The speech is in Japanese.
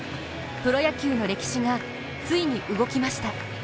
プロ野球の歴史がついに動きました。